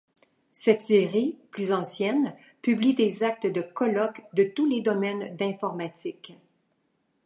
Cette série, plus ancienne, publie des actes de colloques de tous les domaines d'informatique.